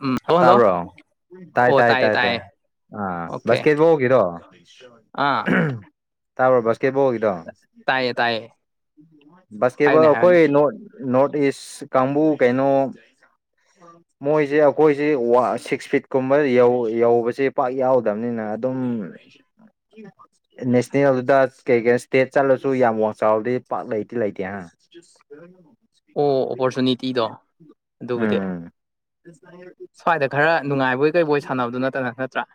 ꯎꯝ hello hello ꯇꯥꯕ꯭ꯔꯣ ꯇꯥꯏ ꯑꯣ ꯇꯥꯏ ꯇꯥꯏꯌꯦ ꯇꯥꯏ ꯇꯥꯏ ꯇꯥꯏꯌꯦ ꯑꯥ ꯑꯣꯀꯦ ꯁꯀꯦꯠꯕꯨꯈꯤꯔꯣ ꯑꯥ ꯇꯥꯕꯔꯕꯁꯀꯦꯕꯣꯒꯗꯣ ꯇꯥꯏꯌꯦ ꯇꯥꯏꯌꯦ ꯁ ꯀꯕ ꯍꯥꯏꯌꯨꯅꯦ ꯍꯥꯏꯌꯨꯅꯦ ꯀꯣꯏ ꯅꯣ ꯅꯣꯔꯠ ꯏꯁ ꯀꯥꯡꯕꯨ ꯀꯩꯅꯣ ꯃꯣꯏꯁꯦ ꯑꯩꯈꯣꯏꯁꯤ ꯁꯤꯛꯁ ꯐꯤꯠ ꯀꯨꯝꯕ ꯌꯧꯕꯁꯦ ꯄꯥꯛ ꯌꯥꯎꯗꯕꯅꯤꯅ ꯑꯗꯨꯝ [inaudible] ꯅꯦꯁꯅꯦꯜꯗꯨꯗ ꯀꯩ ꯀꯩ ꯏꯁꯇꯦꯠ ꯆꯠꯂꯁꯨ ꯌꯥꯝ ꯋꯥ ꯆꯥꯎꯔꯗꯤ ꯄꯥꯛ ꯂꯩꯇꯗꯤ ꯂꯩꯇꯦ ꯑꯣ ꯑꯣꯄꯣꯔꯆꯨꯅꯤꯇꯤꯗꯣ ꯑꯗꯨꯕꯨꯗꯤ ꯎꯝ ꯁ꯭ꯋꯥꯏꯗ ꯈꯔ ꯅꯨꯡꯉꯥꯏꯕꯣꯏ ꯀꯩꯕꯣꯏ ꯁꯥꯟꯅꯕꯗꯨ ꯅꯠꯇꯅ ꯅꯠꯇ꯭ꯔꯥ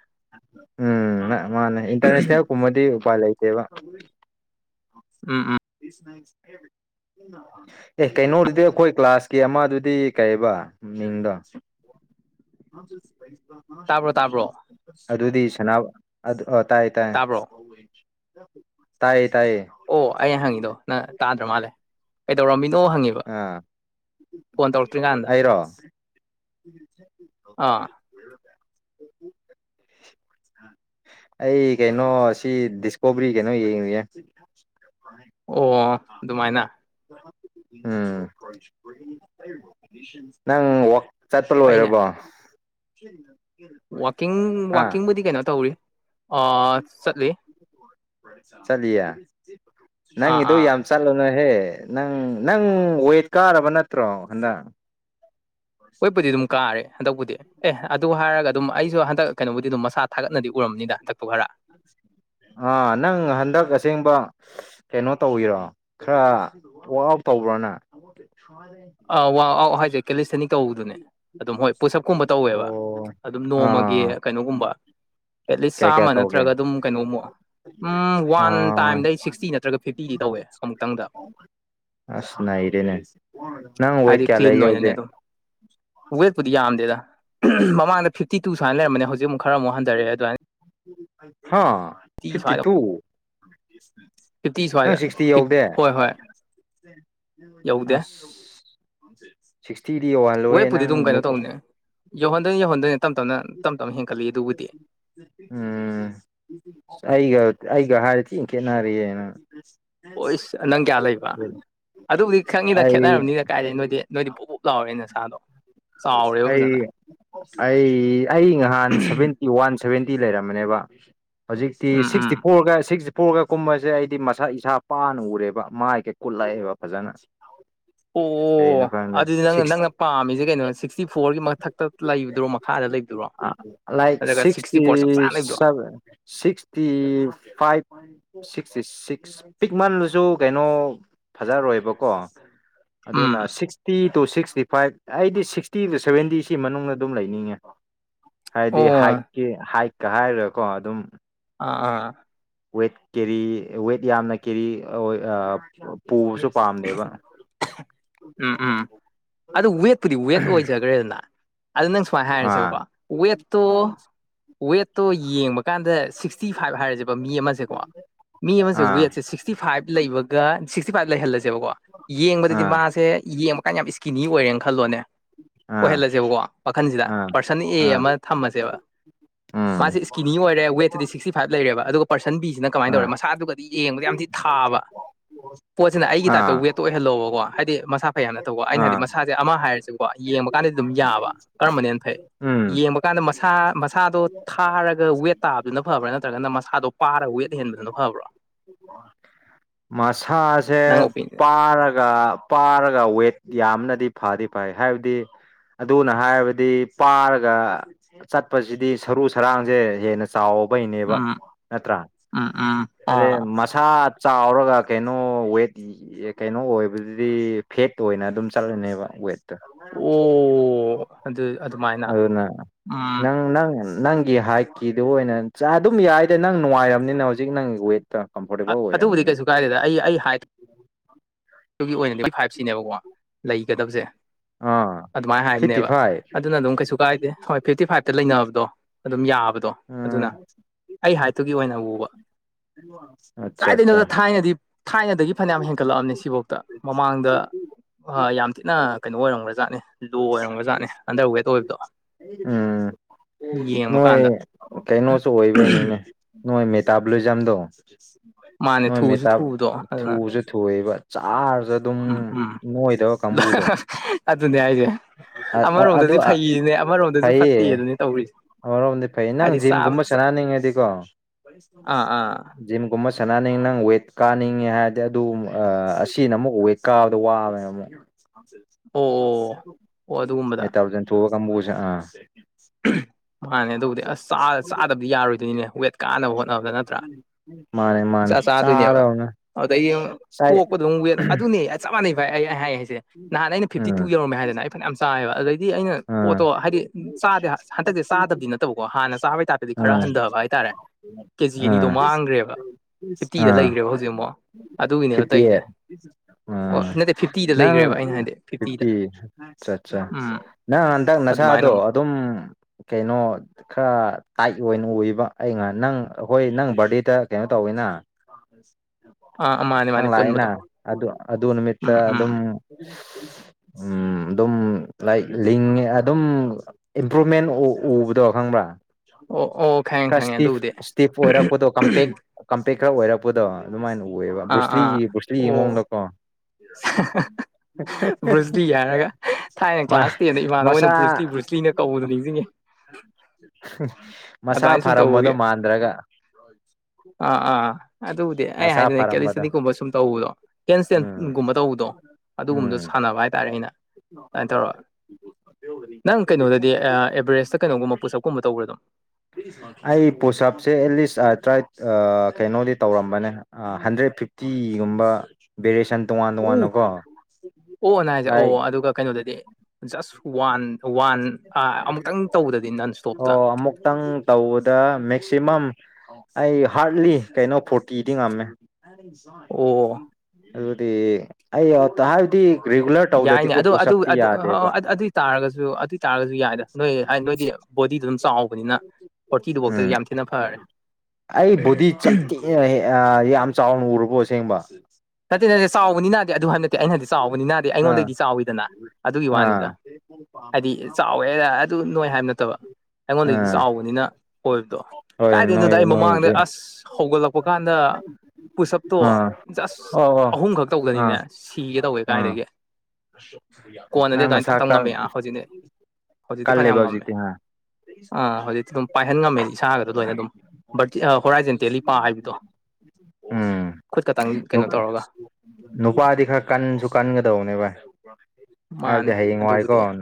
ꯎꯝ ꯃꯥꯅꯦ ꯏꯟꯇꯔꯅꯦꯁꯅꯦꯜꯦꯜ ꯀꯃꯗꯤ ꯄꯜ ꯂꯩꯇꯦꯕ ꯎꯝ ꯎꯝ ꯎ ꯑꯦ ꯀꯩꯅꯣꯗꯨꯗꯤ ꯑꯩꯈꯣꯏ ꯀ꯭ꯂꯥꯁꯀꯤ ꯑꯃꯗꯨꯗꯤ ꯀꯩꯕ ꯃꯤꯡꯗꯣ ꯇꯥꯕ꯭ꯔꯣ ꯇꯥꯕ꯭ꯔꯣ ꯑꯗꯨꯗꯤ ꯁꯅꯥ ꯑꯗ ꯑꯣ ꯇꯥꯏ ꯇꯥꯏ ꯇꯥꯕ꯭ꯔꯣ ꯇꯥꯏ ꯇꯥꯏꯌꯦ ꯑꯣ ꯑꯩ ꯍꯪꯉꯤꯗꯣ ꯅꯪ ꯇꯥꯗ꯭ꯔ ꯃꯥꯜꯂꯦ ꯀꯩꯗꯧꯔꯝꯃꯤꯅꯣ ꯅꯣꯡ ꯍꯪꯉꯤꯕ ꯑꯥ ꯐꯣꯟ ꯇꯧꯔꯛꯇ꯭ꯔꯤ ꯀꯥꯟꯗ ꯑꯩꯔꯣ ꯑꯥ [inaudible] ꯑꯩ ꯀꯩꯅꯣ ꯁꯤ ꯗꯤꯁꯀꯣꯕꯔꯤ ꯀꯩꯅꯣ ꯌꯦꯡꯉ ꯑꯣ ꯑꯗꯨꯃꯥꯏꯅ ꯎꯝ ꯅꯪ ꯆꯠꯄ ꯑꯩꯅ ꯂꯣꯏꯔꯕꯣ ꯋꯥꯋꯀꯤꯡ ꯍꯥ ꯋꯥꯋꯥꯛꯀꯤꯡꯕꯨꯗꯤ ꯀꯩꯅꯣ ꯇꯧꯔꯤ ꯆꯠꯂꯤ ꯆꯂꯤꯌꯥꯂꯤꯌꯥ ꯑꯥ ꯅꯪꯗ ꯑꯥ ꯆꯠꯂꯣꯅꯍꯦ ꯅꯪ ꯅꯪ ꯋꯦꯠ ꯀꯥꯔꯕ ꯅꯠꯇ꯭ꯔꯣ ꯍꯟꯗꯛ ꯍꯣꯏꯄꯨꯗꯤ ꯑꯗꯨꯝ ꯀꯥꯔꯦ ꯍꯟꯗꯛꯄꯨꯗꯤ ꯑꯦ ꯑꯗꯨ ꯍꯥꯏꯔꯒ ꯑꯗꯨꯝ ꯑꯩꯁꯨ ꯍꯟꯗꯛ ꯀꯩꯅꯣꯕꯨꯗꯤ ꯑꯗꯨꯝ ꯃꯁꯥ ꯊꯥꯒꯠꯅꯗꯤ ꯎꯔꯝꯅꯤꯗ ꯍꯟꯗꯛꯇꯨ ꯈꯔ ꯑꯥ ꯅꯪ ꯍꯟꯗꯛ ꯑꯁꯦꯡꯕ ꯀꯩꯅꯣ ꯇꯧꯔꯣ ꯈꯔ ꯋꯥꯥꯛ ꯑꯥꯎꯠ ꯇꯧꯕ꯭ꯔꯣꯅ ꯑ ꯋꯔꯥꯛ ꯑꯥꯎꯠ ꯍꯥꯏꯁꯦ ꯀꯦꯂꯤꯁꯇꯅꯤꯛ ꯇꯧꯕꯗꯨꯅꯦ ꯑꯗꯨꯝ ꯍꯣꯏ ꯄꯨꯁꯑꯞꯀꯨꯝꯕ ꯇꯧꯋꯦꯕ ꯑꯣ ꯑꯗꯨꯝ ꯅꯣꯡꯃꯒꯤ ꯑꯥ ꯀꯩꯅꯣꯒꯨꯝꯕ ꯑꯦꯠꯂꯤꯁ ꯀꯌꯥ ꯀꯌꯥ ꯆꯥꯝꯃ ꯇꯧꯒꯦ ꯅꯠꯇ꯭ꯔꯒ ꯑꯗꯨꯝ ꯀꯩꯅꯣꯃꯨꯛ ꯎꯝ ꯋꯥꯟ ꯑꯥ ꯇꯥꯏꯝꯗꯩ ꯁꯤꯛꯁꯇꯤ ꯅꯠꯇ꯭ꯔꯒ ꯐꯤꯞꯇꯤꯗꯤ ꯇꯧꯋꯦ ꯑꯃꯨꯛꯇꯪꯗ ꯑꯁ ꯉꯔꯦꯅꯦ ꯅꯪ ꯋꯦꯠ ꯍꯥꯏꯗꯤ ꯀꯌꯥ ꯀ꯭ꯂꯤꯟ ꯂꯩꯒꯦ ꯑꯣꯏꯅꯅꯦ ꯍꯧꯖꯤꯛ ꯑꯗꯨꯝ ꯋꯦꯠꯄꯨꯗꯤ ꯌꯥꯝꯗꯦꯗ ꯃꯃꯥꯡꯗ ꯐꯤꯐꯇꯤ ꯇꯨ ꯁꯨꯃꯥꯏꯅ ꯂꯩꯔꯝꯕꯃꯦ ꯍꯧꯖꯤꯛꯃꯨꯛ ꯈꯔꯃꯨꯛ ꯍꯟꯊꯔꯛꯑꯦ ꯑꯗꯨꯃꯥꯏꯅ ꯑ ꯐꯤꯐꯇꯤ ꯇꯨ ꯐꯤꯇꯤꯁ ꯅꯪ ꯐꯗ ꯁꯤꯛꯁꯇꯤ ꯐ ꯌꯧꯗꯦ ꯍꯣꯏ ꯍꯣꯏ ꯌꯧꯗꯦ ꯑꯁ ꯁꯤꯛꯁꯇꯤꯗꯤ ꯋꯥꯍꯜꯂꯣꯏꯦ ꯅꯪ ꯅꯄꯥ ꯌꯧꯍꯟꯗꯅꯤ ꯌꯧꯍꯟꯗꯅꯤ ꯇꯞ ꯇꯞꯅ ꯇꯞ ꯇꯞꯅ ꯍꯦꯟꯒꯠꯂꯤ ꯑꯗꯨꯕꯨꯗꯤ ꯑꯝ ꯑꯩꯒ ꯑꯩꯒ ꯍꯥꯇ ꯏ ꯀꯦꯅꯔꯅ ꯑꯣꯁ ꯅꯪ ꯀꯌꯥ ꯂꯩꯕ ꯑꯗꯨꯕꯨꯗꯤ ꯈꯪꯉꯤꯅ ꯑꯩ ꯈꯦꯠꯅꯔꯕꯝꯅꯤꯅ ꯀꯥꯏꯗꯩ ꯅꯣꯏ ꯅꯣꯏꯗꯤ ꯄꯨꯛ ꯄꯨꯕꯨ ꯂꯥꯎꯋꯦ ꯅ ꯁꯥꯥꯗꯣ ꯑꯩ ꯑꯩ ꯑꯩ ꯉꯍꯥꯟ ꯁꯚꯦꯟꯇꯤ ꯋꯥꯟ ꯁꯚꯦꯟꯇꯤ ꯂꯩꯔꯝꯕꯅꯦꯕ ꯍꯧꯖꯤꯛꯇꯤ ꯎꯝ ꯎꯝ ꯁꯤꯛꯁꯇꯤ ꯐꯣꯔꯒ ꯁꯤꯛꯁ ꯎ ꯄꯨꯣꯔꯒ ꯀꯨꯝꯕꯁꯦ ꯑꯩꯗꯤ ꯃꯁꯥ ꯏꯁꯥ ꯄꯥꯅ ꯎꯔꯦꯕ ꯃꯥꯏ ꯀꯩ ꯀꯨꯠꯂꯛꯑꯦꯕ ꯐꯖꯅ ꯀꯩꯅ ꯐ ꯑꯃꯤꯦ ꯀꯩꯅꯣ ꯁꯤꯁ ꯁꯤꯛꯁꯇꯤ ꯐꯣꯔꯒꯤ ꯃꯊꯛꯇ ꯂꯩꯕꯗꯨꯔꯣ ꯃꯈꯥꯗ ꯂꯩꯕꯔꯣ ꯅꯠꯇ꯭ꯔꯒ ꯁꯤꯛꯁꯇꯤ ꯐꯣꯔ ꯆꯞ ꯆꯥꯅ ꯂꯩꯕꯔꯣ ꯁꯤꯛꯁꯇꯤ ꯐꯥꯏꯚ ꯁꯤꯛꯁꯇ ꯁꯤꯛꯁ ꯄꯤꯛꯃꯜꯂꯁꯨ ꯀꯩꯅꯣ ꯐꯖꯔꯣꯏꯕꯀꯣ ꯎꯝ ꯑꯗꯨꯅ ꯁꯤꯛꯁꯇꯤ ꯇꯨ ꯁꯤꯛꯁꯇꯤ ꯐꯥꯏꯚ ꯑꯩꯗꯤꯛ ꯐꯤꯇꯤ ꯇꯨ ꯁꯚꯦꯟꯇꯤ ꯁꯤ ꯃꯅꯨꯡꯗ ꯑꯗꯨꯝ ꯂꯩꯅꯤꯡꯉꯦ ꯍꯥꯏꯗꯤ ꯑꯣ ꯍꯥꯏꯠ ꯑꯥ ꯀ ꯍꯥꯏꯛꯀ ꯍꯥꯏꯔꯒꯀꯣ ꯑꯗꯨꯝ ꯑꯥ ꯑꯥ ꯋꯦꯠ ꯀꯦꯔꯤ ꯋꯦꯠ ꯌꯥꯝꯅ ꯀꯦꯔꯤ ꯄꯨꯕꯁꯨ ꯄꯥꯝꯗꯦꯕ ꯎꯝ ꯎꯝ ꯑꯗꯨ ꯋꯦꯠꯄꯨꯗꯤ ꯋꯦꯠ ꯑꯣꯏꯖꯈ꯭ꯔꯦꯗꯅ ꯑꯗꯨ ꯅꯪ ꯁꯨꯃꯥꯏꯅ ꯑꯥ ꯍꯥꯏꯔꯁꯦꯕꯀꯣ ꯋꯦꯠꯇꯣ ꯋꯦꯠꯇꯣ ꯌꯦꯡꯕ ꯀꯥꯟꯗ ꯁꯤꯛꯁꯇꯤ ꯐꯥꯏꯚ ꯍꯥꯏꯔꯁꯦꯕ ꯃꯤ ꯑꯃꯁꯦꯀꯣ ꯃꯤ ꯑꯃꯁꯦ ꯑꯥ ꯋꯦꯠꯁꯦ ꯁꯤꯛꯁꯇꯤ ꯐꯥꯏꯚ ꯂꯩꯕꯒ ꯁꯤꯛꯁꯇꯤ ꯐꯥꯏꯚ ꯂꯩꯍꯜꯂꯁꯦꯕꯀꯣ ꯌꯦꯡꯕꯗꯗꯤ ꯑꯥ ꯃꯥꯁꯦ ꯌꯦꯡꯕ ꯀꯥꯟ ꯌꯥꯝ ꯀꯤꯅꯤ ꯑꯣꯏꯔꯦꯅ ꯈꯜꯂꯣꯅꯦ ꯑꯥ ꯑꯣꯏꯍꯜꯂꯁꯦꯕꯀꯣ ꯄꯥꯈꯜꯁꯤꯗ ꯑꯥ ꯄꯥꯔꯁꯟ ꯑꯦ ꯑꯥ ꯑꯃ ꯊꯝꯃꯁꯦꯕ ꯎꯝ ꯃꯥꯁꯤꯦ ꯏꯁꯀꯤꯅꯤ ꯑꯣꯏꯔꯦ ꯋꯦꯠꯇꯗꯤ ꯁꯤꯛꯁꯇꯤ ꯐꯥꯏꯞ ꯂꯩꯔꯦ ꯑꯗꯨꯒ ꯄꯔꯁꯟ ꯕꯤꯁꯤꯅ ꯀꯃꯅ ꯑꯥ ꯇꯧꯔꯦ ꯃꯁꯥꯗꯨꯒ ꯌꯦꯡꯕꯗ ꯌꯥꯝ ꯊꯤ ꯊꯥꯕ ꯄꯣꯠꯁꯤꯅ ꯑꯩꯒꯤ ꯇꯥꯏꯞꯇ ꯑꯥ ꯋꯦꯠꯇ ꯑꯣꯏꯍꯜꯂꯣꯕꯀꯣ ꯍꯥꯏꯗꯤ ꯃꯁꯥ ꯐꯌꯥꯅ ꯇꯧꯕ ꯑꯩꯅ ꯑꯥ ꯍꯥꯏꯗꯤ ꯃꯁꯥꯁꯦ ꯑꯃ ꯍꯥꯏꯔꯁꯤ ꯀꯣ ꯌꯦꯡꯕ ꯀꯥꯟꯗꯗꯤ ꯑꯗꯨꯝ ꯌꯥꯕ ꯀꯔꯝꯕꯅꯦꯅ ꯐꯩ ꯎꯝ ꯌꯦꯡꯕ ꯀꯥꯟꯗ ꯃꯁꯥ ꯃꯁꯥꯗꯣ ꯊꯥꯔꯒ ꯋꯦꯠ ꯇꯥꯕꯗꯨꯅ ꯐꯕ꯭ꯔꯥ ꯅꯠꯇ꯭ꯔꯒꯅ ꯃꯁꯥꯗꯣ ꯄꯥꯔꯒ ꯋꯦꯠ ꯍꯦꯟꯕꯗꯨꯅ ꯐꯕ꯭ꯔꯣ ꯃꯁꯥꯁꯦ ꯅꯪ ꯑꯣꯄꯤꯅꯤꯌꯟ ꯄꯥꯔꯒ ꯄꯥꯔꯒ ꯋꯦꯠ ꯌꯥꯝꯅꯗꯤ ꯐꯗꯤ ꯐꯩ ꯍꯥꯏꯕꯗꯤ ꯑꯗꯨꯅ ꯍꯥꯏꯔꯕꯗꯤ ꯄꯥꯔꯒ ꯆꯠ ꯆꯄꯁꯤꯗꯤ ꯁꯔꯨ ꯁꯔꯥꯡꯁꯦ ꯍꯦꯟꯅ ꯆꯠ ꯆꯥꯎꯕꯩꯅꯦꯕ ꯎꯝ ꯅꯠꯇ꯭ꯔꯥ ꯎꯝ ꯎꯝ ꯑꯗꯩ ꯑꯥ ꯏꯁ ꯆꯥꯎꯔꯒ ꯀꯩꯅꯣ ꯋꯦꯠ ꯀꯩꯅꯣ ꯑꯣꯏꯕꯗꯨꯗꯤ ꯐꯦꯠ ꯑꯣꯏꯅ ꯑꯗꯨꯝ ꯆꯠꯂꯅꯦꯕ ꯋꯦꯠ ꯑꯣ ꯑꯗꯨ ꯑꯗꯨꯃꯥꯏꯅ ꯑꯗꯨꯅ ꯎꯝ ꯅꯪ ꯅꯉ ꯅꯪꯒꯤ ꯍꯥꯏꯠꯀꯤꯗꯨꯣ ꯑꯣꯏꯅ ꯆ ꯑꯗꯨꯝ ꯌꯥꯏꯗ ꯅꯪ ꯅꯨꯡꯉꯥꯏꯔꯕꯅꯤꯅ ꯍꯧꯖꯤꯛ ꯅꯪꯒꯤ ꯋꯦꯠꯇꯣ ꯑꯗꯨꯕꯨꯗꯤ ꯀꯩꯁꯨ ꯀꯥꯏꯗꯦꯗ ꯑꯩ ꯍꯥꯏ ꯑꯗꯨꯒꯤ ꯑꯣꯏꯅꯗꯤ ꯐꯥꯏꯚ ꯁꯤꯅꯦꯕꯀꯣ ꯂꯩꯒꯗꯕꯁꯦ ꯑꯥ ꯑꯗꯨꯃꯥꯏꯅ ꯐꯤꯐꯇꯤ ꯍꯥꯏꯕꯅꯦꯕ ꯐꯥꯏꯚ ꯑꯗꯨꯅ ꯑꯗꯨꯝ ꯀꯩꯁꯨ ꯀꯥꯏꯗꯦ ꯍꯣꯏ ꯐꯤꯞꯇꯤ ꯐꯥꯏꯚꯇ ꯂꯩꯅꯕꯗꯣ ꯑꯗꯨꯝ ꯌꯥꯕꯗꯣ ꯎꯝ ꯑꯗꯨꯅ ꯑꯩ ꯍꯥꯏꯠꯇꯨꯒꯤ ꯑꯣꯏꯅ ꯎꯕ ꯑ ꯀꯥꯏꯗꯅꯣꯗ ꯊꯥꯏꯅꯗꯤ ꯊꯥꯏꯅꯗꯒꯤ ꯐꯅꯌꯥꯝ ꯍꯦꯟꯒꯠꯂꯛꯑꯕꯅꯦ ꯁꯤꯐꯥꯎꯗ ꯃꯃꯥꯡꯗ ꯑ ꯌꯥꯝ ꯊꯤꯅ ꯀꯩꯅꯣ ꯑꯣꯏꯔꯝꯒ꯭ꯔ ꯖꯥꯠꯅꯤ ꯂꯣ ꯑꯣꯏꯔꯝꯒ ꯖꯥꯠꯅꯦ ꯑꯟꯗꯔ ꯋꯦꯠ ꯑꯣꯏꯕꯗꯣ ꯎꯝ ꯌꯦꯡꯕ ꯅꯣꯏ ꯀꯥꯟꯗ ꯀꯩꯅꯣꯁꯨ ꯑꯣꯏꯕꯩꯅꯤꯅꯦ ꯅꯣꯏ ꯃꯦꯇꯥꯕ ꯂꯣꯏꯖꯝꯗꯣ ꯃꯥꯅꯦ ꯅꯣꯏ ꯊꯨꯁꯨ ꯃꯦꯇꯥꯞ ꯊꯨꯕꯗꯣ ꯑꯗꯨꯅ ꯊꯨꯁꯨ ꯊꯣꯢꯕ ꯆꯥꯔꯁꯨ ꯑꯗꯨꯝ ꯎꯝ ꯎꯝ ꯅꯣꯏꯗꯕ ꯀꯥꯡꯕꯨꯗꯣ ꯑꯗꯨꯅꯦ ꯍꯥꯏꯁꯦ ꯑ ꯑ ꯑꯃꯔꯣꯝꯗꯗꯤ ꯑꯗꯨ ꯑ ꯐꯩꯅꯦ ꯑꯃꯔꯣꯝꯗꯁꯨ ꯐꯠꯇꯦ ꯐꯩꯌꯦ ꯑꯗꯨꯅꯤ ꯇꯧꯔꯤꯁꯦ ꯑꯃꯔꯣꯝꯗꯤ ꯐꯩ ꯅꯪ ꯍꯥꯏꯗꯤ ꯆꯥꯕ ꯖꯤꯝꯒꯨꯝꯕ ꯁꯅꯅꯤꯡꯉꯗꯤꯀꯣ ꯑꯥ ꯑꯥ ꯖꯤꯝꯒꯨꯝꯕ ꯁꯥꯟꯅꯅꯤꯡ ꯅꯪ ꯋꯦꯠ ꯀꯥꯅꯤꯡꯉꯦ ꯍꯥꯏꯔꯗꯤ ꯑꯗꯨ ꯑꯁꯤꯅ ꯑꯃꯨꯛ ꯋꯦꯠ ꯀꯥꯕꯗꯣ ꯋꯥꯕꯅꯦ ꯑꯃꯨꯛ ꯑꯣ ꯑꯣ ꯑꯣ ꯑꯗꯨꯒꯨꯝꯕꯗ ꯃꯦꯇꯥꯕꯣꯂꯤꯖꯝ ꯊꯣꯛꯑ ꯀꯕꯨꯁꯦ ꯑꯥ [inaudible] ꯃꯥꯅꯦ ꯑꯗꯨꯕꯨꯗꯤ ꯑꯁ ꯆꯥ ꯆꯥꯗꯕꯗꯤ ꯌꯥꯔꯣꯏꯗꯣꯏꯅꯤꯅꯦ ꯋꯦꯠ ꯀꯥꯅꯕ ꯍꯣꯠꯅꯕꯗ ꯅꯠꯇ꯭ꯔꯥ ꯃꯥꯅꯦ ꯃꯥꯅꯦ ꯆꯔꯗꯧꯅꯦ ꯑꯗꯨꯗꯩ ꯑ ꯇꯣꯛꯄꯗꯝ ꯋꯦꯠ ꯑꯗꯨꯅꯤ ꯑꯩ ꯆꯞ ꯃꯥꯟꯅꯩ ꯚꯥꯏ ꯑꯩ ꯍꯥꯏ ꯍꯥꯏꯁꯦ ꯅꯍꯥꯟ ꯑꯩꯅ ꯐꯤꯐꯇꯤ ꯇꯨ ꯎꯝ ꯌꯧꯔꯝꯃꯦ ꯍꯥꯏꯗꯅ ꯑꯩ ꯐꯅꯌꯥꯝ ꯆꯥꯏꯑꯦꯕ ꯑꯗꯩꯗꯤ ꯑꯩꯅ ꯎꯝ ꯄꯣꯠꯇꯣ ꯍꯥꯏꯗꯤ ꯆꯥꯗꯦ ꯍꯟꯗꯛꯇꯤ ꯆꯥꯗꯕꯗꯤ ꯅꯠ ꯅꯠꯇꯕꯀꯣ ꯍꯥꯟꯅ ꯆꯥꯕꯩ ꯇꯥꯏꯞꯇꯗꯤ ꯈꯔ ꯎꯝ ꯍꯟꯊꯕ ꯍꯥꯏꯇꯥꯔꯦ ꯀꯦꯖꯤ ꯑꯅꯤꯗꯣ ꯃꯥꯡꯒꯔꯦꯕ ꯑꯥ ꯑꯗꯨꯒꯤꯅꯦꯕ ꯐꯤꯐꯇꯤ ꯇꯧꯔꯤꯁꯦ ꯑꯩꯠ ꯑ ꯑꯣ ꯅꯠꯇꯦ ꯐꯤꯐꯇꯤꯗ ꯅꯪ ꯂꯩꯈ꯭ꯔꯦꯕ ꯑꯩꯅ ꯍꯥꯏꯗꯤ ꯐꯤꯐꯇꯤ ꯐꯤꯞꯇꯤ ꯆꯥꯆꯥ ꯎꯝ ꯅꯪ ꯍꯟꯗꯛ ꯑꯗꯨꯃꯥꯏꯅ ꯅꯁꯥꯗꯣ ꯑꯃꯨꯛ ꯑꯗꯨꯝ ꯀꯩꯅꯣ ꯈꯔ ꯇꯥꯏꯠ ꯑꯣꯏꯅ ꯎꯏꯕ ꯑꯩ ꯉꯍ ꯅꯪ ꯍꯣꯏ ꯅꯪ ꯕꯥꯔꯗꯦꯗ ꯀꯩꯅꯣ ꯇꯧꯋꯤꯅ ꯑꯥ ꯃꯥꯅꯦ ꯅꯪ ꯃꯥꯅꯦ ꯂꯥꯛꯑꯦꯅ ꯄꯨꯟꯕꯗꯣ ꯑꯗꯨ ꯑꯗꯨ ꯅꯨꯃꯤꯠꯇ ꯎꯝ ꯑꯗꯨꯝ ꯎꯝ ꯑꯗꯨ [unintelligible] ꯎꯝ ꯑꯗꯨꯝ ꯂꯥꯏꯛ ꯂꯤꯡꯉꯦ ꯑꯗꯨꯝ ꯏꯝꯄ꯭ꯔꯨꯚꯃꯦꯟ ꯑꯣ ꯎꯕꯗꯣ ꯈꯪꯕ꯭ꯔꯥ ꯑꯣ ꯑꯣ ꯈꯪꯉꯦ ꯈꯔ ꯈꯪꯉꯦ ꯏꯁꯇꯤꯞ ꯑꯗꯨꯕꯨꯗꯤ ꯏꯁꯇꯤꯐ ꯑꯣꯏꯔꯛꯄꯗꯣ ꯀꯝꯄꯦꯛ ꯀꯝꯄꯦꯛ ꯈꯔ ꯑꯣꯏꯔꯛꯄꯗꯣ ꯑꯗꯨꯃꯥꯏꯅ ꯑꯣꯏꯑꯕ ꯕ꯭ꯔꯨꯁꯂꯤꯒꯤ ꯕ꯭ꯔꯨꯁꯂꯤꯒꯤ ꯃꯑꯣꯡꯗ ꯀꯣ ꯕ꯭ꯔꯁꯂꯤ ꯍꯥꯏꯔꯒ ꯊꯥꯏꯅ ꯀ꯭ꯂꯥꯁ ꯇꯦꯟꯗ ꯏꯃꯥꯟꯅꯕ ꯃꯁꯥ ꯍꯣꯏꯅ ꯕꯨ꯭ꯔꯖꯂꯤ ꯕꯨ꯭ꯔꯖ ꯁ꯭ꯔꯤꯅ ꯀꯧꯕꯗ ꯅꯤꯡꯖꯤꯡꯉꯦ ꯃꯁꯥ ꯑꯗꯨꯃꯥꯏꯅ ꯁꯨꯝ ꯐꯔꯝꯕꯗꯣ ꯇꯧꯕꯒꯤ ꯃꯥꯟꯗ꯭ꯔꯒ ꯑꯥ ꯑꯥ ꯑꯗꯨꯕꯨꯗꯤ ꯑꯩ ꯃꯁꯥ ꯍꯥꯏꯗꯣꯏꯅꯦ ꯐꯔꯝꯕꯗꯣ ꯀꯦꯂꯤꯁꯇꯦꯅꯤꯛꯒꯨꯝꯕ ꯁꯨꯝ ꯇꯧꯕꯗꯣ ꯍꯦꯟꯁꯇꯦꯟ ꯎꯝ ꯒꯨꯝꯕ ꯇꯧꯕꯗꯣ ꯑꯗꯨꯒꯨꯝꯕꯗꯣ ꯎꯝ ꯁꯥꯟꯅꯕ ꯍꯥꯏꯇꯥꯔꯦ ꯑꯩꯅ ꯁꯨꯃꯥꯏꯅ ꯇꯧꯔꯒ ꯅꯪ ꯀꯩꯅꯣꯗꯗꯤ ꯑꯦꯕꯔꯦꯁꯇ ꯀꯩꯅꯣꯒꯨꯝꯕ ꯄꯨꯁꯑꯞ ꯀꯨꯝꯕ ꯇꯧꯕ꯭ꯔꯥ ꯑꯗꯨꯝ ꯑꯩ ꯄꯨꯁꯑꯞꯁꯦ ꯑꯦꯠꯂꯤꯁ ꯇ꯭ꯔꯥꯏꯠ ꯑ ꯀꯩꯅꯣꯗꯤ ꯇꯧꯔꯝꯕꯅꯦ ꯑꯩ ꯍꯟꯗ꯭ꯔꯦꯠ ꯐꯤꯐꯇꯤꯒꯨꯝꯕ ꯕꯦꯔꯦꯁꯟ ꯇꯣꯡꯉꯥꯟ ꯎ ꯑꯣ ꯅꯪ ꯍꯥꯏꯖꯦ ꯂꯥꯏꯛ ꯑꯣ ꯑꯗꯨꯒ ꯀꯩꯅꯣꯗꯗꯤ ꯖꯁ ꯋꯥꯟ ꯋꯥꯟ ꯑꯃꯨꯛꯇꯪ ꯇꯧꯕꯗꯗꯤ ꯅꯟ ꯏꯁꯇꯣꯞꯇ ꯑꯣ ꯑꯃꯨꯛꯛꯇꯪ ꯇꯧꯕꯗ ꯃꯦꯛꯁꯤꯃꯝ ꯑꯩ ꯍꯥꯔꯠꯂꯤ ꯀꯩꯅꯣ ꯐꯣꯔꯇꯤꯗꯤ ꯉꯝꯃꯦ ꯑꯣ ꯑꯗꯨꯗꯤ ꯑꯩ ꯇ ꯍꯥꯏꯕꯗꯤ ꯔꯤꯒꯨꯂ꯭ꯔ ꯌꯥꯏꯅꯦ ꯇꯧꯗ꯭ꯔꯗꯤꯀꯣ ꯑꯗꯣ ꯄꯨꯁ ꯑꯗꯨ ꯑꯞꯇꯤ ꯑꯗꯨ ꯌꯥꯗꯦꯕ ꯑꯗꯨꯏ ꯇꯥꯔꯒꯁꯨ ꯑꯗꯨꯏ ꯇꯥꯔꯒꯁꯨ ꯌ ꯌꯥꯏꯗ ꯅꯣꯏ ꯍꯥꯏ ꯅꯣꯏꯗꯤ ꯕꯣꯗꯤꯗꯨ ꯑꯗꯨꯝ ꯆꯥꯎꯕꯅꯤꯅ ꯐꯣꯔꯇꯤꯗꯨꯐꯥꯎꯗꯗꯤ ꯎꯝ ꯌꯥꯝ ꯊꯤꯅ ꯐꯔꯦ ꯑꯩ ꯕꯣꯗꯤ ꯆ ꯊꯤꯔꯦꯍꯦ ꯑ ꯌꯥꯝ ꯆꯥꯎꯅ ꯎꯔꯕꯣ ꯑꯁꯦꯡꯕ ꯅꯠꯇꯦ ꯅꯠꯇꯦ ꯆꯥꯎꯕꯅꯤ ꯅꯥꯗꯦ ꯑꯗꯨ ꯍꯥꯏꯕ ꯅꯠꯇꯦ ꯑꯩꯅ ꯍꯥꯏꯗꯤ ꯆꯥꯎꯕꯅꯤꯅꯥꯗꯤ ꯑꯥ ꯑꯩꯉꯣꯟꯗꯩꯗꯤ ꯆꯥꯎꯏꯗꯅ ꯑꯗꯨꯒꯤ ꯋꯥꯅꯤꯗ ꯑꯩꯅ ꯄꯥꯝꯕꯁꯨ ꯍꯣꯏꯗ ꯑꯗꯨ ꯅꯣꯏ ꯍꯥꯏꯕ ꯅꯠꯇꯕ ꯑꯩꯉꯣꯟꯗꯩꯗꯤ ꯑꯥ ꯆꯥꯎꯕꯅꯤꯅꯤ ꯑꯣꯏꯕꯗꯣ ꯍꯣꯏ ꯅꯣꯏ ꯀꯥꯏꯗꯩꯅꯣꯗ ꯑꯩ ꯃꯃꯥꯡꯗ ꯅꯣꯏꯗꯤ ꯑꯁ ꯍꯧꯒꯠꯂꯛꯄ ꯀꯥꯟꯗ ꯄꯨꯁꯑꯞꯇꯣ ꯑꯥ ꯖꯁ ꯑꯣ ꯑꯣ ꯑꯍꯨꯝꯈꯛ ꯑꯥ ꯇꯧꯗꯅꯤꯅꯦ ꯁꯤꯒꯦ ꯇꯧꯋꯦ ꯑꯥ ꯀꯥꯏꯗꯒꯤ ꯀꯣꯟꯅꯗꯤ ꯅꯪ ꯑꯗꯨꯃꯥꯏꯅ ꯅꯁꯥ ꯇꯞ ꯇꯞ ꯀ ꯉꯝꯃꯦ ꯑ ꯍꯧꯖꯤꯛꯅꯦ ꯍꯧꯖꯤꯛꯇꯤ ꯀꯜꯂꯦꯕ ꯐꯅꯌꯥꯝ ꯉꯝꯃꯦ ꯍꯧꯖꯤꯛꯇꯤ ꯍꯥ ꯑꯥ ꯍꯧꯖꯤꯛꯇꯤ ꯑꯗꯨꯝ ꯄꯥꯏꯍꯟ ꯉꯝꯃꯦ ꯏꯁꯥꯒꯗ‌ꯣ ꯂꯣꯏꯅ ꯑꯗꯨꯝ ꯕꯔꯇꯤ ꯑ ꯍꯣꯔꯥꯏꯖꯦꯟꯇꯦꯜꯂꯤ ꯄꯥ ꯍꯥꯏꯕꯗꯣ ꯎꯝ ꯈꯨꯠ ꯈꯇꯪ ꯀꯩꯅꯣ ꯇꯧꯔꯒ ꯅꯨꯄꯥꯗꯤ ꯈꯔ ꯀꯟꯁꯨ ꯀꯟꯒꯗꯧꯕꯅꯦ ꯚꯥꯏ ꯍꯥꯏꯕꯗꯤ ꯃꯥꯅꯦ ꯍꯌꯦꯡ ꯑꯗꯨꯕꯨꯗꯤ ꯋꯥꯏꯀꯣꯟ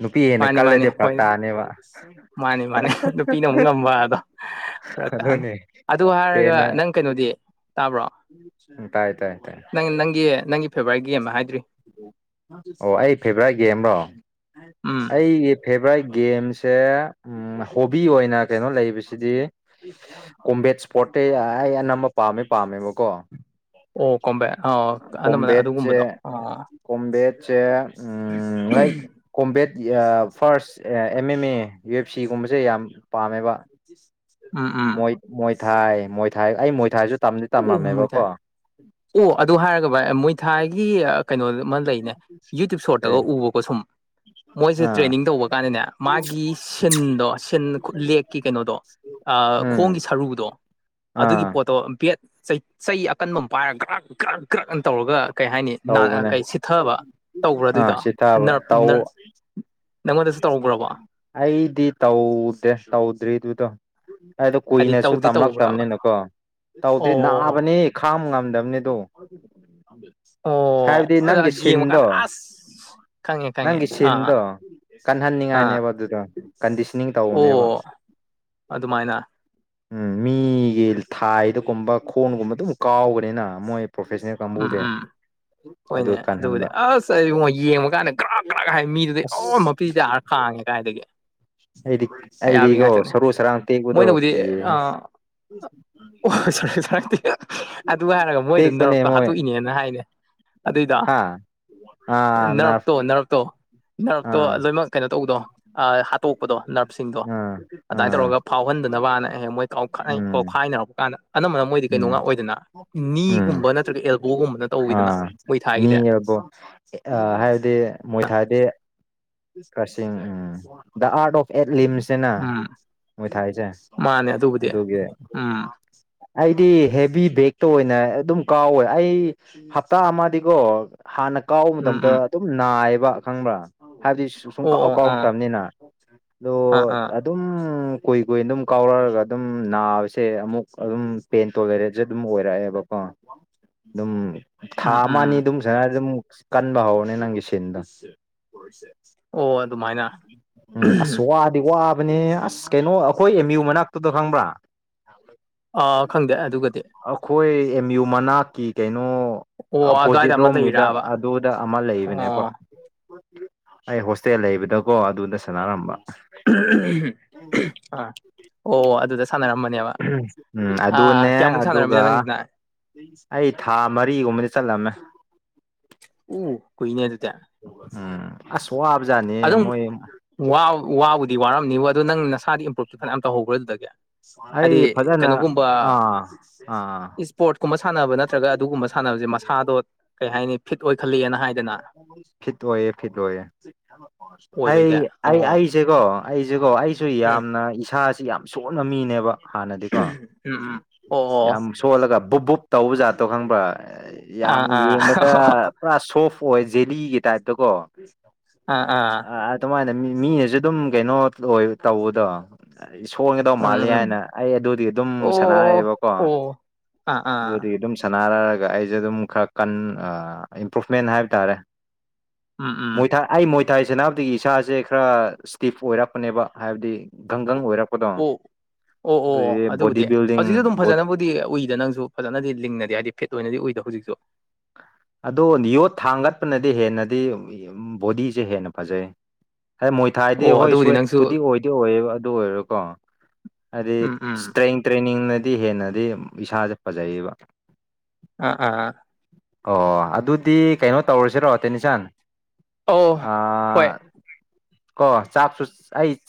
ꯅꯨꯄꯤ ꯍꯦꯟꯅ ꯃꯥꯅꯤ ꯃꯥꯅꯤ ꯀꯜꯂꯗꯤ ꯐꯔꯛ ꯍꯣꯏ ꯇꯥꯅꯦꯕ ꯃꯥꯅꯤ ꯐꯔꯛꯇꯅꯤ ꯑꯗꯨꯅꯦ ꯑꯗꯨ ꯍꯥꯏꯔꯒ ꯍꯦꯟꯅ ꯅꯪ ꯀꯩꯅꯣꯗꯤ ꯇꯥꯕ꯭ꯔꯣ ꯇꯥꯏ ꯇꯥꯏ ꯇꯥꯏ ꯅꯪ ꯅꯪꯒꯤ ꯅꯪꯒꯤ ꯐꯦꯚꯣꯔꯥꯏꯠ ꯒꯦꯝ ꯍꯥꯏꯗ꯭ꯔꯤ ꯑꯣ ꯑꯩ ꯐꯦꯚꯣꯔꯥꯏꯠ ꯒꯦꯝꯔꯣ ꯎꯝ ꯑꯩꯒꯤ ꯐꯦꯚꯣꯔꯥꯏꯠ ꯒꯦꯝꯁ ꯁꯦ ꯎꯝ ꯍꯣꯕꯤ ꯑꯣꯏꯅ ꯀꯩꯅꯣ ꯂꯩꯕꯁꯤꯗꯤ ꯀꯣꯝꯕꯦꯠ ꯏꯁ꯭ꯄꯣꯔꯠꯇꯤ ꯑꯩ ꯑꯅꯝꯕ ꯄꯥꯝꯃꯦ ꯄꯥꯝꯃꯦꯕꯀꯣ ꯑꯣ ꯀꯣꯝꯕꯦꯠ ꯑꯥ ꯑꯅꯝꯕꯅ ꯑꯗꯨꯒꯨꯝꯕꯗꯣ ꯑ‌ꯣ ꯀꯣꯝꯝꯕꯦꯠꯁꯦ um like combat first M M A U F C ꯒꯨꯝꯕꯁꯦ ꯌꯥꯝ ꯄꯥꯝꯃꯦꯕ ꯎꯝ ꯎꯝ ꯃꯣꯏꯊꯥꯏ ꯃꯣꯏꯊꯥꯏ ꯑꯩ ꯃꯣꯏꯊꯥꯏꯁꯨ ꯇꯝꯗꯤ ꯑꯣ ꯃꯣꯏ ꯊꯥꯏ ꯇꯝꯔꯝꯃꯦꯕꯀꯣ ꯑꯣ ꯑꯗꯨ ꯍꯥꯏꯔꯒ ꯚꯥꯏ ꯃꯣꯏꯊꯥꯒꯤ ꯀꯩꯅꯣꯃ ꯂꯩꯅꯦ ꯌꯨꯇ꯭ꯌꯨꯞ ꯑꯦ ꯁꯣꯔꯠꯇꯒ ꯎꯕꯀꯣ ꯑꯁꯨꯝ [inaudible] ꯃꯣꯏꯁꯦ ꯇ꯭ꯔꯦꯅꯤꯡ ꯇꯧꯕ ꯀꯥꯟꯗꯅꯦ ꯃꯥꯒꯤ ꯁꯤꯟꯗꯣ ꯁꯤꯟ ꯂꯦꯛꯀꯤ ꯀꯩꯅꯣꯗꯣ ꯑꯥ ꯎꯝ ꯈꯣꯡꯒꯤ ꯁꯔꯨꯗꯣ ꯑꯗꯨꯒꯤ ꯑꯥ ꯄꯣꯠꯇꯣ ꯕꯦꯠ ꯆꯩ ꯆꯩ ꯑꯀꯟꯕ ꯑꯃ ꯄꯥꯏꯔꯒ ꯀ꯭ꯔꯛ ꯀ꯭ꯔꯛ ꯀ꯭ꯔꯛꯅ ꯇꯧꯔꯒ ꯀꯩ ꯍꯥꯏꯅꯤ ꯅꯥ ꯑꯥ ꯇꯧꯕꯅꯦ ꯀꯩ ꯁꯤꯊꯕ ꯇꯧꯕ꯭ꯔ ꯑꯥ ꯑꯗꯨꯏꯗꯣ ꯁꯤ ꯊꯥꯕ ꯅꯥ꯭ꯔꯞ ꯇꯧ ꯅ꯭ꯔ ꯅꯪꯉꯣꯟꯗꯁꯨ ꯇꯧꯕ꯭ꯔꯕ ꯑꯩꯗꯤ ꯇꯧꯗꯦ ꯇꯧꯗ꯭ꯔꯤ ꯗꯨꯗꯣ ꯍꯥꯏꯗꯣ ꯍꯥꯏꯗꯤ ꯀꯨꯏꯅꯁꯨ ꯇꯧꯗꯤ ꯇꯧꯕ꯭ꯔꯕ ꯇꯝꯂꯛꯇꯕꯅꯤꯅꯀꯣ ꯇꯧꯗꯦ ꯑꯣ ꯅꯥꯕꯅꯤꯍ‌ꯦ ꯈꯥꯝ ꯉꯝꯗꯝꯅꯤ ꯗ‌ꯣ ꯑꯣ ꯍꯥꯏꯕꯗꯤ ꯑꯗ ꯅꯪꯒꯤ ꯁꯤꯟꯗꯣ ꯌꯦꯡꯕꯀꯥꯟꯗ ꯑꯁ ꯈꯪꯉꯦ ꯈꯪꯉꯦ ꯅꯪꯒꯤ ꯑꯥ ꯁꯤꯟꯗꯣ ꯑꯥ ꯀꯟꯍꯟꯅꯤꯡꯉꯥꯏꯅꯦꯕ ꯑꯗꯨꯗ ꯀꯟꯗꯤꯁꯅꯤꯡ ꯑꯣ ꯇꯧꯕꯅꯦꯕ ꯑꯗꯨꯃꯥꯏꯅ ꯎꯝ ꯃꯤꯒꯤ ꯊꯥꯏꯗꯒꯨꯝꯕ ꯈꯣꯟꯒꯨꯝꯕ ꯑꯗꯨꯝ ꯀꯥꯎꯕꯅꯤꯅ ꯃꯣꯏ ꯄ꯭ꯔꯣꯐꯦꯁꯅꯦꯜ ꯎꯝ ꯀꯥꯡꯕꯨꯗꯤ ꯎꯝ ꯑꯗꯨ ꯍꯣꯏꯅꯦ ꯑꯗꯨꯕꯨꯗꯤ ꯀꯥꯟꯍꯟꯕ ꯑꯁ ꯑꯩꯉꯣ ꯌꯦꯡꯕ ꯀꯥꯟꯗ ꯒ꯭ꯔꯥꯛ ꯒ꯭ꯔꯥꯛ ꯍꯥꯏ ꯃꯤꯗꯨꯗ ꯑꯁ ꯎ ꯃꯄꯤꯇꯥꯔꯥ ꯈꯥꯡꯉꯦ ꯀꯥꯏꯗꯒꯤ ꯑꯩꯗꯤ ꯑ ꯌꯥꯕꯤ ꯑꯩꯗꯤꯀꯣ ꯉꯥꯛꯇꯅꯦ ꯁꯔꯨ ꯁꯔꯥꯡ ꯇꯦꯛꯄꯗꯣ ꯃꯣꯏꯅꯕꯨꯗꯤ ꯑ ꯀꯤꯌꯦꯍꯦ ꯑꯣꯏ ꯑꯁ ꯁꯔꯛꯇꯦ ꯑꯗꯨ ꯍꯥꯏꯔꯒ ꯃꯣꯏ ꯑꯗꯨꯝ ꯇꯦꯛꯄꯅꯦ ꯅꯔꯛꯇ ꯃꯣꯏ ꯍꯥꯠꯇꯣꯛꯏꯅꯦꯅ ꯍꯥꯏꯅꯦ ꯑꯗꯨꯏꯗ ꯍꯥ ꯑꯥ ꯅꯔꯐ ꯅ꯭ꯥꯔꯞꯇꯣ ꯅꯥ꯭ꯔꯞꯇꯣ ꯅꯥ꯭ꯔꯞꯇꯣ ꯑꯥ ꯂꯣꯏꯅꯃꯛ ꯀꯩꯅꯣ ꯇꯧꯕꯗꯣ ꯍꯥꯠꯇꯣꯛꯄꯗꯣ ꯅꯥ꯭ꯔꯞꯁꯤꯡꯗꯣ ꯑꯥ ꯑꯗꯨꯃꯥꯏꯅ ꯑꯥ ꯇꯧꯔꯒ ꯐꯥꯎꯍꯟꯗꯅꯕꯅ ꯑꯩ ꯃ‌ꯣꯏ ꯍꯦꯛ ꯃꯣꯏ ꯀꯥꯎꯈꯠꯅꯩ ꯎꯝ ꯀꯧꯈꯥꯏꯅꯔꯛꯄ ꯀꯥꯟꯗ ꯑꯅꯝꯕꯅ ꯃꯣꯏꯗꯤ ꯀꯩꯅꯣ ꯎꯝ ꯉꯥꯛ ꯑꯣꯏꯗꯅ ꯎꯝ ꯅꯤꯒꯨꯝꯕ ꯅꯠꯇ꯭ꯔꯒ ꯑꯦꯜꯕꯣꯒꯨꯝꯕꯅ ꯇꯧꯋꯤꯗꯅ ꯃꯣꯏ ꯊꯥꯒꯤꯗ ꯕꯣ ꯍꯥꯏꯕꯗꯤ ꯃꯣꯏꯊꯥꯗꯤ ꯀꯛꯆꯤꯡ ꯎꯝ ꯗ ꯑꯥꯔꯠ ꯑꯣꯐ ꯑꯦꯠꯂꯤꯝꯁꯁꯤꯅ ꯎꯝ ꯃꯣꯏ ꯊꯥꯏꯁꯦ ꯃꯥꯅꯦ ꯑꯗꯨꯕꯨꯗꯤ ꯑꯗꯨꯒꯤ ꯎꯝ ꯑꯩꯗꯤ ꯍꯦꯚꯤ ꯕꯦꯛꯇ ꯑꯣꯏꯅ ꯑꯗꯨꯝ ꯀꯥꯎꯋꯦ ꯑꯩ ꯍꯞꯇꯥ ꯑꯃꯗꯤꯀꯣ ꯍꯥꯟꯅ ꯀꯥꯎꯕ ꯎꯝ ꯃꯇꯝꯗ ꯎꯝ ꯑꯗꯨꯝ ꯅꯥꯏꯌꯦꯕ ꯈꯪꯕ꯭ꯔꯥ ꯍꯥꯏꯕꯗꯤ ꯁ ꯁꯨꯝ ꯑꯣ ꯀꯥꯎ ꯑꯣ ꯑꯥ ꯀꯥꯎꯔꯛꯇꯕꯅꯤꯅ ꯑꯣ ꯑꯥ ꯑꯥ ꯑꯗꯨꯝ ꯀꯨꯏ ꯀꯨꯏꯅ ꯑꯗꯨꯝ ꯀꯥꯎꯔꯛꯑꯒ ꯑꯗꯨꯝ ꯅꯥꯕꯁꯦ ꯑꯃꯨꯛ ꯑꯗꯨꯝ ꯄꯦꯟꯇꯣ ꯂꯩꯔꯦꯁꯨꯦ ꯑꯗꯨꯝ ꯑꯣꯏꯔꯛꯑꯦꯕꯀꯣ ꯑꯗꯨꯝ ꯊꯥ ꯎꯝ ꯑꯃꯅꯤ ꯎꯝ ꯑꯗꯨꯝ ꯁꯅꯗ ꯑꯃꯨꯛ ꯀꯟꯕ ꯍꯧꯔꯅꯤ ꯅꯪꯒꯤ ꯁꯤꯟꯗꯣ ꯑꯣ ꯑꯗꯨꯃꯥꯏꯅ ꯎꯝ ꯑꯁ ꯋꯥꯗꯤ ꯋꯥꯕꯅꯦ ꯑꯁ ꯁ ꯀꯩꯅꯣ ꯑꯩꯈꯣꯏ ꯑꯦꯝ ꯌꯨ ꯃꯅꯥꯛꯇꯨꯗ ꯈꯪꯕ꯭ꯔꯥ ꯑꯥ ꯈꯪꯗꯦ ꯑꯗꯨꯒꯗꯤ ꯈꯣꯏ ꯑꯦꯝ ꯌꯨ ꯃꯅꯥꯛꯀꯤ ꯀꯩꯅꯣ ꯑꯣ ꯑꯗꯨꯋꯥꯏꯗ ꯑꯄꯣꯖꯤꯠ ꯑꯃ ꯔꯣꯝꯒꯤꯗ ꯂꯩꯔꯕ ꯑꯗꯨꯗ ꯑꯃ ꯂꯩꯕꯅꯦꯕ ꯑꯣ ꯑꯩ ꯍꯣꯁꯇꯦꯜ ꯂꯩꯕꯗꯀꯣ ꯑꯗꯨꯗ ꯁꯥꯟꯅꯔꯝꯕ ꯎꯝ ꯎꯝ ꯎꯝꯍꯨꯝ ꯑꯥ ꯑꯣ ꯑꯗꯨꯗ ꯁꯥꯟꯅꯔꯝꯕꯅꯦꯕ ꯎꯝ ꯑꯥ ꯑꯗꯨꯅꯦ ꯀꯌꯥꯃꯨꯛ ꯑꯗꯨꯒ ꯁꯥꯟꯅꯔꯝꯃꯤꯅꯣ ꯅꯪꯁꯤꯅ ꯑꯩ ꯊꯥ ꯃꯔꯤꯒꯨꯝꯕꯗꯤ ꯆꯠꯂꯝꯃꯦ ꯎ ꯀꯨꯏꯅꯦ ꯑꯗꯨꯗꯤ ꯎꯝ ꯑꯁ ꯋꯥꯕꯖꯥꯠꯅꯤꯌꯦ ꯑꯗꯨꯝ ꯃꯣꯏ ꯋꯥ ꯋꯥꯕꯨꯗꯤ ꯋꯥꯔꯝꯅꯤꯕ ꯑꯗꯨ ꯅꯪ ꯅꯁꯥꯗꯤ ꯏꯝꯄ꯭ꯔꯨꯞꯇꯤ ꯐꯅꯌꯥꯝ ꯇꯧꯍꯧꯕ꯭ꯔꯥ ꯑꯗꯨꯗꯒꯤ ꯑꯩ ꯍꯥꯏꯗꯤ ꯐꯖꯅ ꯑꯥ ꯑꯥ ꯄꯣꯔꯠ ꯀꯨꯝꯕ ꯁꯥꯟꯅꯕ ꯅꯠꯇ꯭ꯔꯒ ꯑꯗꯨꯒꯨꯝꯕ ꯁꯥꯟꯅꯕꯖꯦ ꯃꯁꯥꯗꯣ ꯀꯩ ꯍꯥꯏꯅꯤ ꯐꯤꯠ ꯑꯣꯏꯈꯜꯂꯤꯅ ꯍꯥꯏꯗꯅ ꯐꯤꯠ ꯑꯣꯏꯌꯦ ꯐꯤꯠ ꯑꯣꯏꯌꯦ ꯑꯩ ꯑꯣꯏꯕꯩꯗꯤ ꯑꯩ ꯑꯣ ꯑꯩꯁꯦꯀꯣ ꯑꯩꯁꯦꯀꯣ ꯑꯩ ꯁꯨ ꯎꯝ ꯌꯥꯝꯅ ꯏꯁꯥꯁꯤ ꯌꯥꯝ ꯁꯣꯟꯕ ꯃꯤꯅꯦꯕ ꯍꯥꯟꯅꯗꯤꯀꯣ ꯎꯝ ꯎꯝ ꯑꯣ ꯑꯣ ꯌꯥꯝ ꯁꯣꯜꯂꯒ ꯕꯨꯞ ꯕꯨꯞ ꯇꯧꯕ ꯖꯥꯠꯇꯣ ꯈꯪꯕ꯭ꯔꯥ ꯌꯥꯝ ꯑꯥ ꯑꯥ ꯌꯦꯡꯕꯗ ꯄꯨꯔꯥ ꯁꯣꯐ ꯑꯣꯏ ꯖꯦꯂꯤꯒꯤ ꯇꯥꯏꯞꯇꯀꯣ ꯑꯥ ꯑꯥ ꯑꯥ ꯑ ꯑꯗꯨꯃꯥꯏꯅ ꯃꯤ ꯃꯤꯅꯖꯨ ꯑꯗꯨꯝ ꯀꯩꯅꯣ ꯑꯣꯏ ꯇꯧꯕꯗꯣ ꯁꯣꯟꯒꯗꯧ ꯎꯝ ꯃꯥꯜꯂꯤ ꯎꯝ ꯍꯥꯏꯅ ꯑꯩ ꯑꯗꯨꯗꯤ ꯑꯗꯨꯝ ꯑꯣ ꯁꯥꯟꯅꯔꯛꯑꯦꯕꯀꯣ ꯑꯣ ꯑꯥ ꯑꯥ ꯁꯥꯟꯅꯔꯒ ꯑꯩꯖꯦ ꯑꯗꯨꯝ ꯈꯔ ꯀꯟ ꯑꯥ ꯏꯝꯄ꯭ꯔꯨꯚꯃꯦꯟ ꯍꯥꯏꯕ ꯇꯥꯔꯦ ꯎꯝ ꯎꯝ ꯒꯨꯏꯊꯥ ꯑꯩ ꯃꯣꯏꯊꯥꯏ ꯁꯥꯟꯅꯕꯗꯒꯤ ꯏꯁꯥꯁꯦ ꯈꯔ ꯁ꯭ꯇꯤꯐ ꯑꯣꯏꯔꯛꯄꯅꯦꯕ ꯍꯥꯏꯕꯗꯤ ꯒꯪꯒꯪ ꯑꯣꯏꯔꯛ ꯑꯣ ꯑꯣ ꯑꯣ ꯕꯣꯗꯤ ꯑꯗꯨꯕꯨꯗꯤ ꯕꯤꯜꯗꯤꯡ ꯍꯧꯖꯤꯛꯁꯨ ꯑꯗꯨꯝ ꯐꯖꯅꯕꯨꯗꯤ ꯗꯤ ꯎꯏꯗ ꯅꯪꯁꯨ ꯐꯖꯅꯗꯤ ꯂꯤꯡꯅꯗꯤ ꯍꯥꯏꯗꯤ ꯐꯤꯠ ꯑꯣꯏꯅꯗꯤ ꯎꯏꯗ ꯍꯨꯖꯤꯛꯁꯨ ꯑꯗꯣ ꯌꯣꯠ ꯊꯥꯡꯒꯠꯄꯅꯗꯤ ꯍꯦꯟꯅꯗꯤ ꯕꯣꯗꯤꯁꯦ ꯍꯦꯟꯅ ꯐꯖꯩ ꯍꯦꯃꯣꯏꯠ ꯊꯥꯏꯗꯤ ꯑꯣ ꯍꯣꯏ ꯑꯗꯨꯕꯨꯗꯤ ꯅꯪꯁꯨ ꯁ꯭ꯋꯦꯠꯄꯨꯗꯤ ꯑꯣꯏꯗꯤ ꯑꯣꯏꯌꯦꯕ ꯑꯗꯨ ꯑꯣꯏꯔꯣꯀꯣ ꯍꯥꯏꯗꯤ ꯎꯝ ꯎꯝ ꯏꯁꯇ꯭ꯔꯦꯡ ꯇ꯭ꯔꯦꯅꯤꯡꯅꯗꯤ ꯍꯦꯟꯅꯗꯤ ꯏꯁꯥꯖꯦ ꯐꯖꯩꯌꯦꯕ ꯑ ꯑꯥ ꯑꯣ ꯑꯣ ꯑꯗꯨꯗꯤ ꯀꯩꯅꯣ ꯇꯧꯔꯁꯤꯔꯣ ꯇꯦꯅꯤꯁꯟ ꯀꯛꯑꯣ ꯑꯥ ꯑꯥ ꯀꯣ ꯆꯥꯛꯁꯨꯁ ꯑꯩ